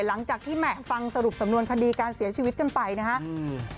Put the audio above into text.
หลังจากที่แหม่ฟังสรุปสำนวนคดีการเสียชีวิตกันไปนะครับ